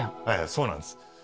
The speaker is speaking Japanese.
そうなんです。